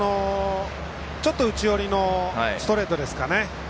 ちょっと内寄りのストレートですかね